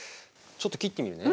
ちょっと切ってみるね。